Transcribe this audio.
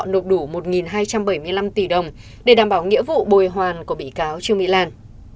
nộp đủ một hai trăm bảy mươi năm tỷ đồng để đảm bảo nghĩa vụ bồi hoàn của bị cáo trương mỹ lan